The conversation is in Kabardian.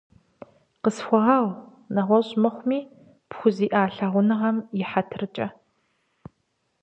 Къысхуэгъэгъу, нэгъуэщӀ мыхъуми, пхузиӀа лъагъуныгъэм и хьэтыркӀэ.